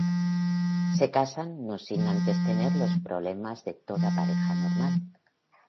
Se casan no sin antes tener los problemas de toda pareja normal.